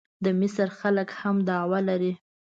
د مصر خلک هم دعوه لري.